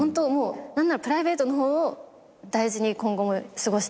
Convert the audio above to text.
何ならプライベートの方を大事に今後も過ごしたいタイプで。